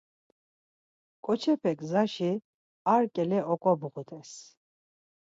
Ǩoçepe gzaşi ar ǩele oǩobğut̆es.